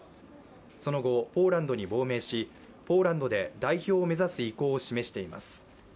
その後、ポーランドに亡命し、ポーランドで代表を目指す意向を示しています。